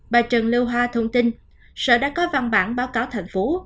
bà trần lưu hoa thông tin sở đã có văn bản báo cáo thành phố